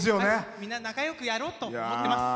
みんな仲よくやろうと思っています。